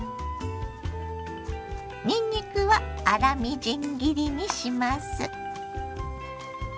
にんにくは粗みじん切りにします。